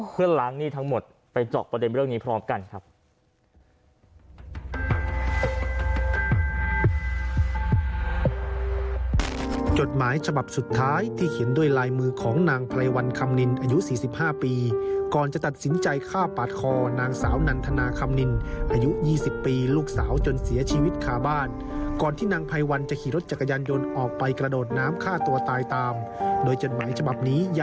หลังนี่ทั้งหมดไปเจาะประเด็นเรื่องนี้พร้อมกันครับ